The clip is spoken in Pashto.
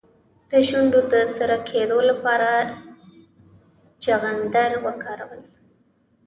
د شونډو د سره کیدو لپاره چغندر وکاروئ